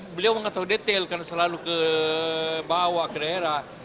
beliau mengatau detail karena selalu membawa ke daerah